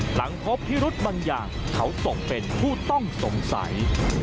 หลังพบพิรุธบางอย่างเขาตกเป็นผู้ต้องสงสัย